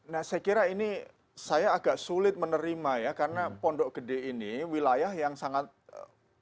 nah saya kira ini saya agak sulit menerima ya karena pondok gede ini wilayah yang sangat ee